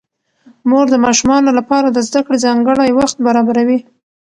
مور د ماشومانو لپاره د زده کړې ځانګړی وخت برابروي